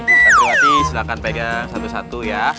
ini santriwati silahkan pegang satu satu ya